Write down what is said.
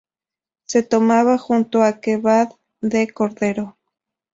Se tomaba junto a kebab de cordero.